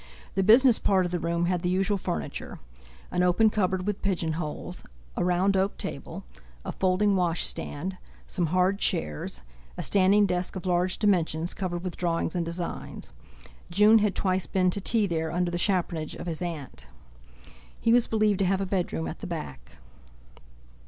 The business part of the room had the usual furniture; an open cupboard with pigeon holes, a round oak table, a folding wash stand, some hard chairs, a standing desk of large dimensions covered with drawings and designs. June had twice been to tea there under the chaperonage of his aunt. He was believed to have a bedroom at the back.